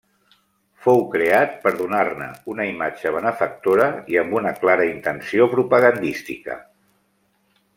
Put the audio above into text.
Fou creat per donar-ne una imatge benefactora i amb una clara intenció propagandística.